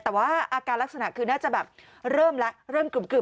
แต่ว่าอาการลักษณะคือน่าจะแบบเริ่มแล้วเริ่มกึ่ม